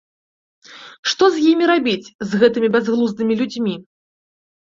Што з імі рабіць, з гэтымі бязглуздымі людзьмі?